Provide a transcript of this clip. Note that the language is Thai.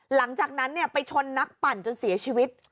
หลังจากนั้นไปชนนักปั่นจนเสียชีวิต